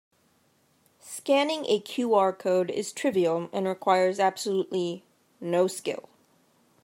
Scanning a QR code is trivial and requires absolutely no skill.